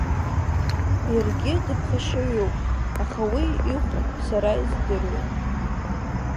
Иаргьы дыԥхашьаҩуп, аха уи ихәшә сара издыруеит!